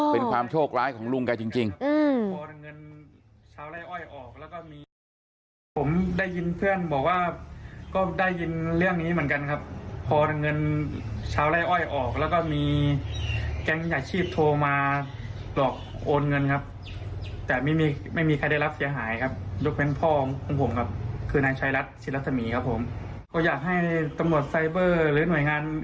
เป็นความโชคร้ายของลุงแกจริง